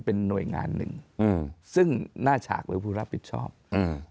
เป็นหน่วยงานหนึ่งอืมซึ่งหน้าฉากหรือผู้รับผิดชอบอืม